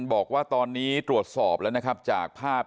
บอกว่าตอนนี้ตรวจสอบจากภาพ